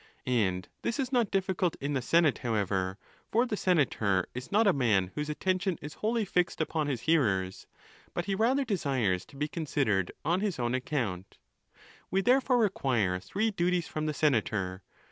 And this is not difficult in the senate, however; for the senator is not a man. whose attention is wholly fixed upon his hearers, but me rather desires to be considered on his own account. We therefore require three duties from the senator.